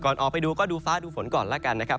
ออกไปดูก็ดูฟ้าดูฝนก่อนแล้วกันนะครับ